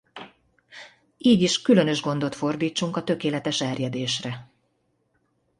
Így is különös gondot fordítsunk a tökéletes erjedésre.